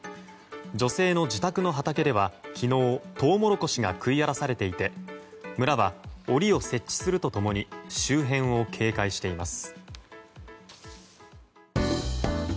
女性の自宅の畑では昨日トウモロコシが食い荒らされていて村は檻を設置するとともに周辺を警戒しています。